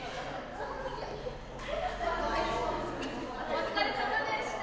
お疲れさまでした！